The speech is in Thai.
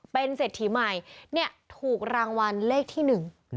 เป็นเศรษฐีใหม่เนี่ยถูกรางวัลเลขที่หนึ่ง